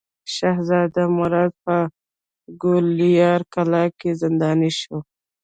شهزاده مراد په ګوالیار کلا کې زنداني شو.